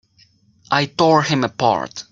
I tore him apart!